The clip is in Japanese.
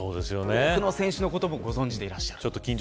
他の選手のこともご存じでいらっしゃる。